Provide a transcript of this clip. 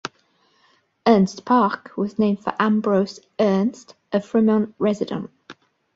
Ernst Park was named for Ambrose Ernst, a Fremont resident.